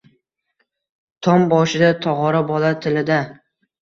Tom boshida tog’ora bola tilida